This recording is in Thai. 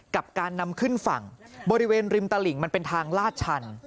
กับการนำขึ้นฝั่งบริเวณริมตลิงมันเป็นทางลาดชัน